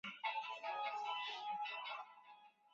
洼点蓼为蓼科蓼属下的一个变种。